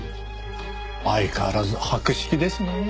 相変わらず博識ですねえ。